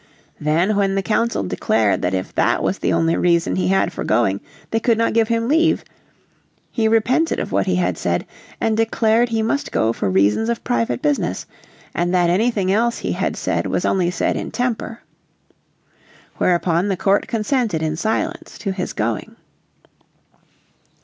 Then, when the Council declared that if that was the only reason he had for going they could not give him leave, he repented of what he had said, and declared he must go for reasons of private business, and that anything else he had said was only said in temper. Whereupon the court consented in silence to his going.